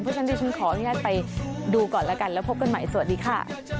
เพราะฉะนั้นดิฉันขออนุญาตไปดูก่อนแล้วกันแล้วพบกันใหม่สวัสดีค่ะ